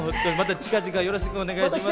近々よろしくお願いします。